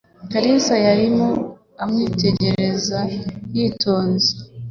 Kalisa yarimo amwitegereza yitonze.